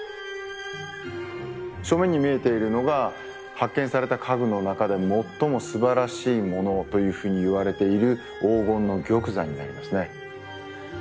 正面に見えているのが発見された家具の中で最もすばらしいものというふうに言われている黄金の玉座になりますね。